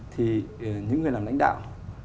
thì những người làm lãnh đạo